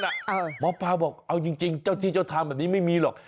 หมอปลาบอกเอาจริงเจ้าที่เจ้าทางแบบนี้ไม่มีหรอก